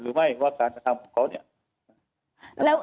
หรือไม่ว่าการกระทั่งของเขา